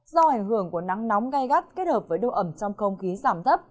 do ảnh hưởng của nắng nóng gai gắt kết hợp với độ ẩm trong không khí giảm thấp